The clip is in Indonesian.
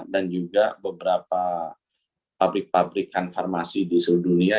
dan juga beberapa pabrik pabrikan farmasi di seluruh dunia